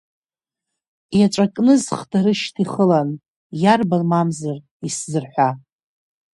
Еҵәа кнызхда рышьҭа ихылан, иарбан мамзар исзырҳәа.